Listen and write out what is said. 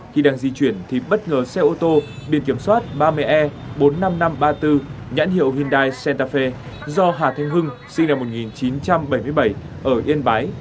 khi đang di chuyển thì bất ngờ xe ô tô biển kiểm soát ba mươi e bốn mươi năm nghìn năm trăm ba mươi bốn nhãn hiệu hyundai centafe do hà thanh hưng sinh năm một nghìn chín trăm bảy mươi bảy ở yên bái